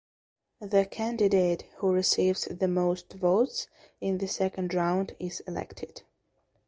The candidate who receives the most votes in the second round is elected.